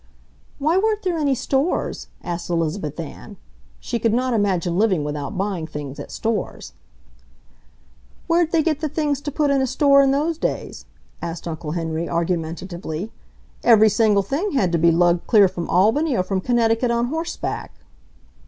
"Why, weren't there any stores?" asked Elizabeth Ann. She could not imagine living without buying things at stores. "Where'd they get the things to put in a store in those days?" asked Uncle Henry, argumentatively. "Every single thing had to be lugged clear from Albany or from Connecticut on horseback."